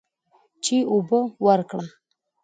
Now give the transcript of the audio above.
چې اوبه ورکړه.